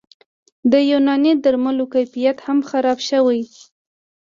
د یوناني درملو کیفیت هم خراب شوی